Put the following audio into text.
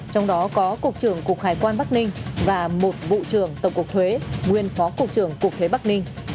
trong đó có cục trưởng cục hải quan bắc ninh và một vụ trưởng tổng cục thuế nguyên phó cục trưởng cục thuế bắc ninh